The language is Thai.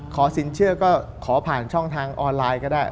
สินเชื่อก็ขอผ่านช่องทางออนไลน์ก็ได้